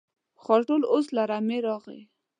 خاټول اوس له رمې راغی.